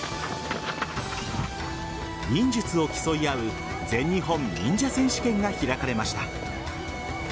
忍術を競い合う全日本忍者選手権が開かれました。